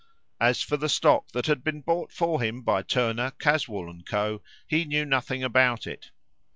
As for the stock that had been bought for him by Turner, Caswall, and Co., he knew nothing about it.